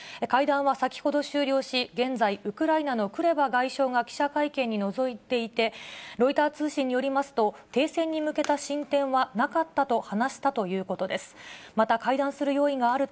会談は先ほど終了し、現在、ウクライナのクレバ外相が記者会見に臨んでいて、ロイター通信によりますと、停戦に向けた進展はなかったと話したということです。